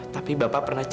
tapi bapak pernah cerita